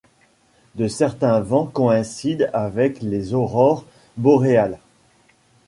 De certains vents coïncident avec les aurores boréales.